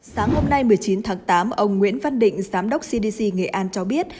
sáng hôm nay một mươi chín tháng tám ông nguyễn văn định giám đốc cdc nghệ an cho biết